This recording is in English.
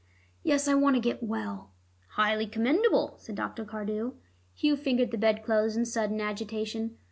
"Yes. I want to get well." "Highly commendable," said Dr. Cardew. Hugh fingered the bed clothes in sudden agitation.